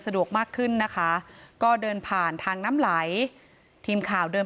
มากขึ้นนะคะก็เดินผ่านทางน้ำไหลทีมข่าวเดิน